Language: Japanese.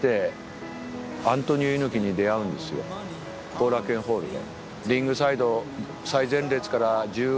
後楽園ホールで。